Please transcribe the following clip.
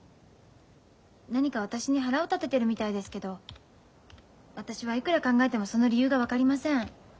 何か私に腹を立ててるみたいですけど私はいくら考えてもその理由が分かりません。